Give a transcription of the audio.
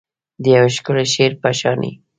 د یو ښکلي شعر په شاني